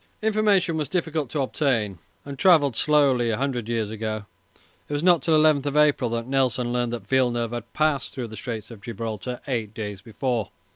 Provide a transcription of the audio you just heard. Information was difficult to obtain and travelled slowly a hundred years ago. It was not till 11 April that Nelson learned that Villeneuve had passed through the Straits of Gibraltar eight days before.